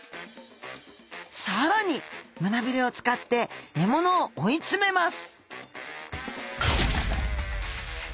更に胸びれを使って獲物を追い詰めます